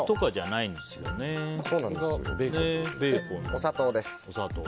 お砂糖です。